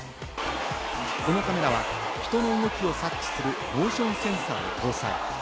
このカメラは人の動きを察知するモーションセンサーを搭載。